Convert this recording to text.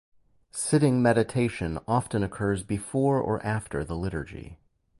Sitting meditation often occurs before or after the liturgy.